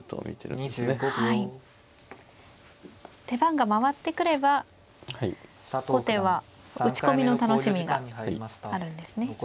手番が回ってくれば後手は打ち込みの楽しみがあるんですね。